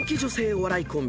お笑いコンビ